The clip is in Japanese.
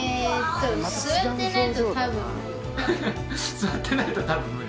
座ってないとたぶん無理？